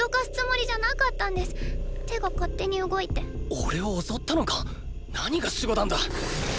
おれを襲ったのか⁉何が守護団だ！